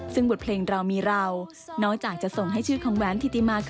ซึ่งบทเพลงเรามีเรานอกจากจะส่งให้ชื่อของแหวนธิติมาคือ